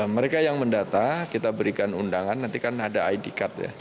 mereka yang mendata kita berikan undangan nanti kan ada id card ya